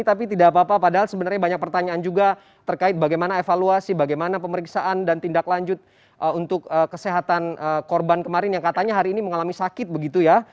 tapi tidak apa apa padahal sebenarnya banyak pertanyaan juga terkait bagaimana evaluasi bagaimana pemeriksaan dan tindak lanjut untuk kesehatan korban kemarin yang katanya hari ini mengalami sakit begitu ya